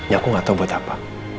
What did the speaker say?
ya aku gak tau buat apa